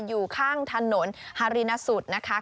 อยู่ข้างถนนฮารินสุดนะคะ